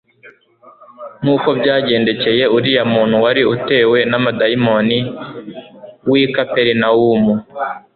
nk'uko byagendekcye uriya muntu wari utewe n'abadayimoni w'i Kaperinaumu.